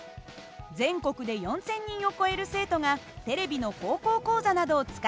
全国で４，０００人を超える生徒がテレビの「高校講座」などを使って学習しています。